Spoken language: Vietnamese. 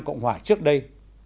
cộng hòa trước đây